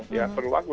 ya perlu waktu